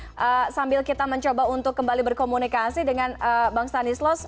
jadi sambil kita mencoba untuk kembali berkomunikasi dengan bang stanislas